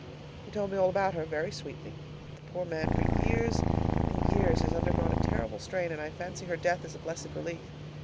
He told me all about her, very sweetly. The poor man for years and years has undergone a terrible strain, and I fancy her death is a blessed relief.